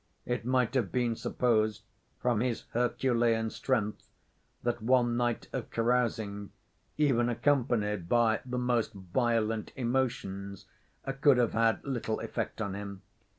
It might have been supposed from his Herculean strength that one night of carousing, even accompanied by the most violent emotions, could have had little effect on him.